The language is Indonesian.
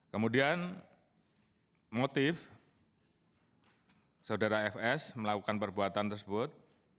kemudian motif saudara fs melakukan perbuatan tersebut